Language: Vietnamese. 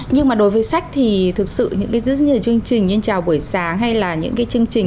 nhưng mà đối với sách thì thực sự những cái rất nhiều chương trình như chào buổi sáng hay là những cái chương trình